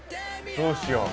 どうしよう。